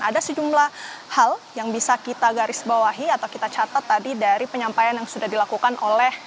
ada sejumlah hal yang bisa kita garis bawahi atau kita catat tadi dari penyampaian yang sudah dilakukan oleh